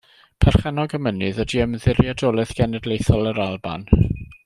Perchennog y mynydd ydy Ymddiriedolaeth Genedlaethol yr Alban.